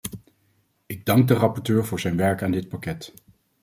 Ik dank de rapporteur voor zijn werk aan dit pakket.